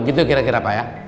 gitu kira kira pak ya